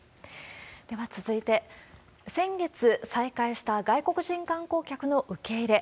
では続いて、先月、再開した外国人観光客の受け入れ。